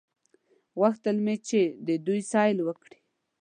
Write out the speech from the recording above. غوښتل یې چې د دوی سیل وکړي.